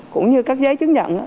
cũng như các giấy chứng nhận